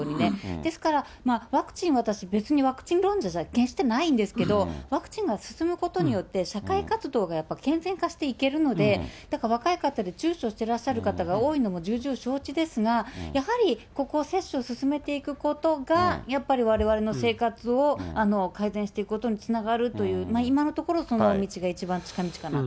ですから、ワクチン、私、ワクチン論者じゃ決してないんですけど、ワクチンが進むことによって、社会活動がやっぱり健全化していけるので、だから若い方でちゅうちょしてらっしゃる方が多いのも重々承知ですが、やはりここは接種を進めていくことが、やっぱりわれわれの生活を改善していくことにつながるという、今のところ、その道が一番近道かなと。